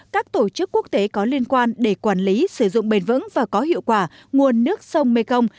các tổ chức quốc tế có liên quan để quản lý sử dụng bền vững và có hiệu quả nguồn nước sông mekong